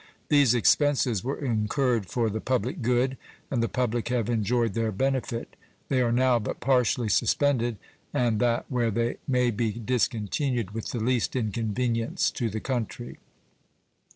These expenses were incurred for the public good, and the public have enjoyed their benefit. They are now but partially suspended, and that where they may be discontinued with the least inconvenience to the country.